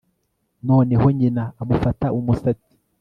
noneho nyina amufata umusatsi